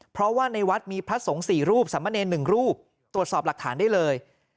เพราะว่าในวัดมีพระสงฆ์๔รูปสามเณร๑รูปตรวจสอบหลักฐานได้เลย